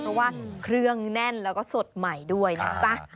เพราะว่าเครื่องแน่นแล้วก็สดใหม่ด้วยนะจ๊ะ